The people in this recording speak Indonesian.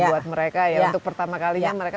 buat mereka ya untuk pertama kalinya mereka